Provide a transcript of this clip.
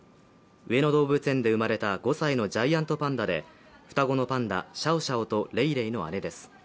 上野動物園で生まれた５歳のジャイアントパンダで双子のパンダシャオシャオとレイレイの姉です。